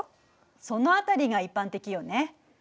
その辺りが一般的よね。